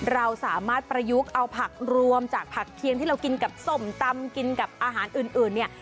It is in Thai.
เราสามารถประยุกต์เอาผักรวมจากผักเคียงที่เรากินกับส้มตำกินกับอาหารอื่นเนี่ย